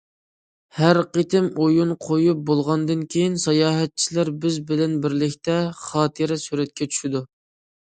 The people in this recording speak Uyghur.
ھەر قېتىم ئويۇن قويۇپ بولغاندىن كېيىن، ساياھەتچىلەر بىز بىلەن بىرلىكتە خاتىرە سۈرەتكە چۈشىدۇ.